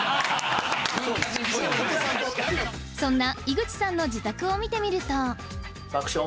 そんな井口さんの自宅を見てみるとそれを今日は。